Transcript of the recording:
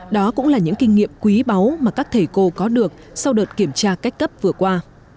đó cũng là những kinh nghiệm quý báu mà các thầy cô có được sau đợt kiểm tra cách cấp vừa qua